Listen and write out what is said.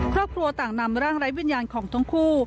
ครอบครัวต่างนำร่างไร้วิญญาณของทั้งคู่